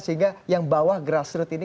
sehingga yang bawah grassroot ini